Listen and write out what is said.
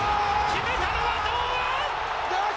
決めたのは堂安！